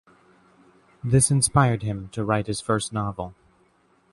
This inspired him to write his first novel.